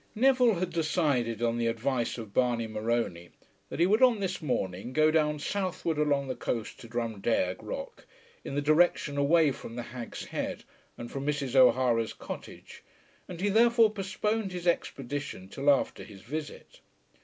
Neville had decided on the advice of Barney Morony, that he would on this morning go down southward along the coast to Drumdeirg rock, in the direction away from the Hag's Head and from Mrs. O'Hara's cottage; and he therefore postponed his expedition till after his visit.